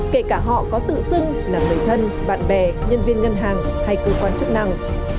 kể cả họ có tự xưng là người thân bạn bè nhân viên ngân hàng hay cơ quan chức năng